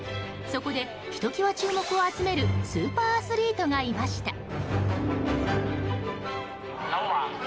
そこでひときわ注目を集めるスーパーアスリートがいました。